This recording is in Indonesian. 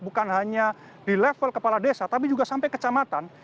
bukan hanya di level kepala desa tapi juga sampai kecamatan